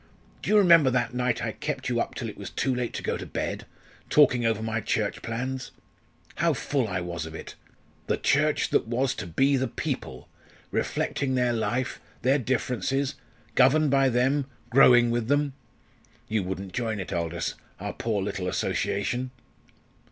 Do you remember that night I kept you up till it was too late to go to bed, talking over my Church plans? How full I was of it! the Church that was to be the people reflecting their life, their differences governed by them growing with them. You wouldn't join it, Aldous our poor little Association!"